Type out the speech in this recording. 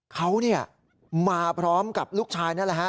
เขามาพร้อมกับลูกชายนั่นแหละฮะ